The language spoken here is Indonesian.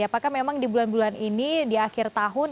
apakah memang di bulan bulan ini di akhir tahun